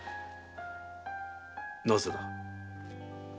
なぜだ？